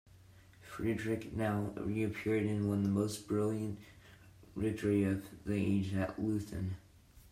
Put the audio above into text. Frederick now reappeared and won the most brilliant victory of the age at Leuthen.